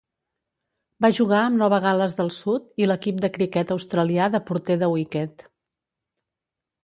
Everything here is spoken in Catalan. Va jugar amb Nova Gal·les del Sud i l'equip de criquet australià de porter de wícket.